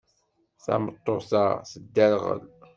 Tameṭṭut-a tedderɣel.